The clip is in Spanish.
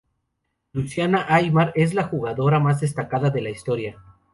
Luciana Aymar es la jugadora más destacada de la historia.